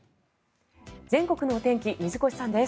全国のお天気水越さんです。